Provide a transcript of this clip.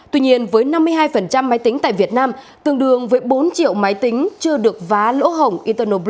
tuy nhiên với năm mươi hai máy tính tại việt nam tương đương với bốn triệu máy tính chưa được vá lỗ hổng eternal blue